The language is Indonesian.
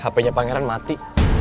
hape nya pangeran mati